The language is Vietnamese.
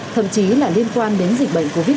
thậm chí là liên quan đến dịch bệnh covid một mươi chín